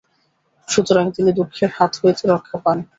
সুতরাং তিনি দুঃখের হাত হইতে রক্ষা পান।